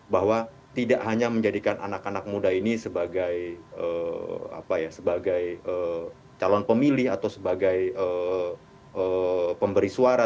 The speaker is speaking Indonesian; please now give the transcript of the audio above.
bahwa tidak hanya menjadikan anak anak muda ini sebagai calon pemilih atau sebagai pemberi suara